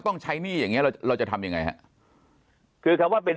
ต้องใช้หนี้เราจะทำยังไงครับประเทศพลัง